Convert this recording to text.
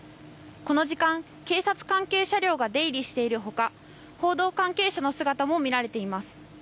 この時間、警察関係車両が出入りしているほか報道関係者の姿も見られています。